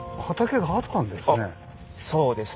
そうですね。